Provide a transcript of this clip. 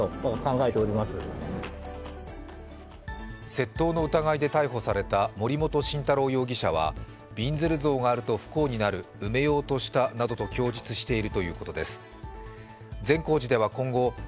窃盗の疑いで逮捕された森本晋太郎容疑者はびんずる像があると不幸がある、埋めようとしたなどと供述しているということです。